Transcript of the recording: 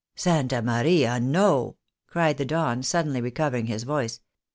" Santa Maria, no 1 " cried the Don, suddenly recovering his voice.